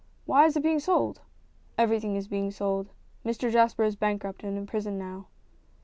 " Why is it being sold ?" "Everything is being sold. Mr Jasper is a bankrupt and in prison now."